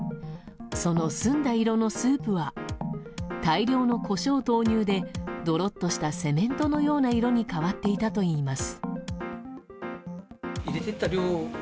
その澄んだ色のスープは大量のコショウ投入でドロッとしたセメントのような色に変わっていたといいます。